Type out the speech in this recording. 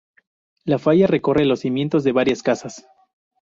La falla recorre los cimientos de varias casas.